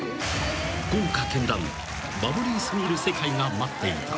［豪華絢爛バブリー過ぎる世界が待っていた］